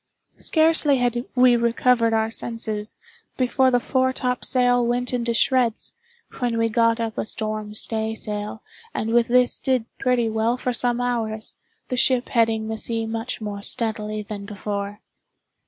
Scarcely had we recovered our senses, before the foretopsail went into shreds, when we got up a storm stay sail and with this did pretty well for some hours, the ship heading the sea much more steadily than before.